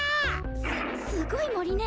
すすごいもりね。